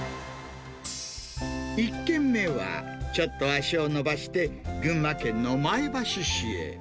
１軒目は、ちょっと足を延ばして、群馬県の前橋市へ。